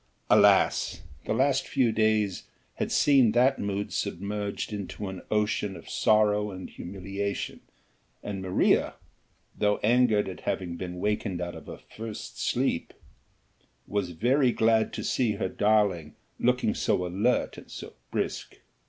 Alas! the last few days had seen that mood submerged into an ocean of sorrow and humiliation, and Maria though angered at having been wakened out of a first sleep was very glad to see her darling looking so alert and so brisk.